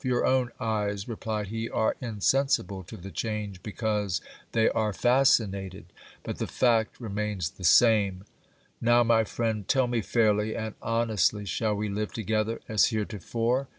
Your own eyes, replied he, are insensible to the change, be cause they are fascinated. But the fact remains the same. Now, my friend, tell me fairly and honestly, shall we live together as heretofore